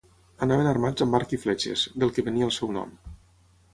Anaven armats amb arc i fletxes, del que venia el seu nom.